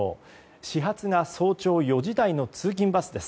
始発が早朝４時台の通勤バスです。